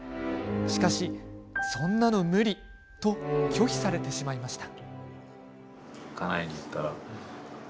しかし、そんなの無理と拒否されてしまいました。